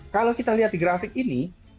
kalau kita lihat di grafik ini